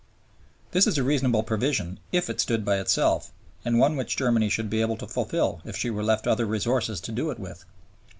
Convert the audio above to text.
This is a reasonable provision if it stood by itself, and one which Germany should be able to fulfil if she were left her other resources to do it with.